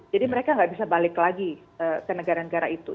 mereka nggak bisa balik lagi ke negara negara itu